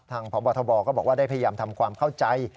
พบทบก็บอกว่าได้พยายามทำความเข้าใจ